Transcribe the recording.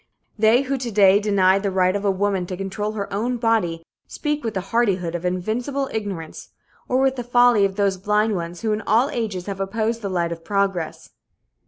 They who to day deny the right of a woman to control her own body speak with the hardihood of invincible ignorance or with the folly of those blind ones who in all ages have opposed the light of progress.